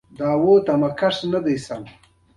نه هنر شته او نه ارټ باندې خبرې